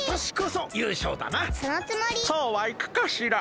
・そうはいくかしら？